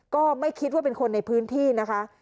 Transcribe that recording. ก็ไม่คิดว่าเป็นคนในพื้นที่นะคะ